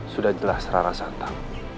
sudah jelas rara santang